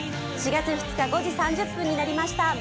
４月２日、５時３０分になりました。